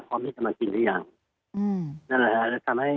พร้อมที่จะมากินหรือยังอืมนั่นแหละฮะแล้วทำให้